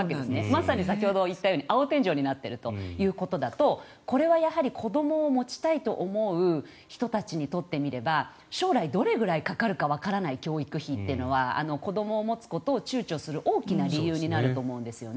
まさに先ほど言ったように青天井になっているということだとこれは子どもを持ちたいと思う人たちにとってみれば将来、どれぐらいかかるかわからない教育費というのは子どもを持つことを躊躇する大きな理由になると思うんですね。